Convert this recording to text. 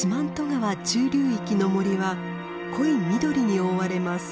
川中流域の森は濃い緑に覆われます。